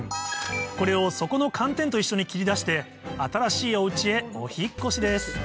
これを底の寒天と一緒に切り出して新しいお家へお引っ越しです